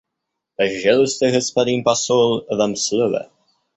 Пожалуйста, господин посол, вам слово.